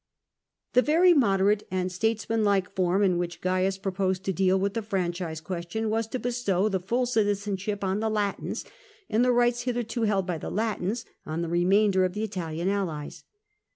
The very moderate and statesmanlike form in which Oaius proposed to deal with the franchise question was to bestow the full citizenship on the Latins, and the rights hitherto held by the Latins on the remainder of the Italian allies.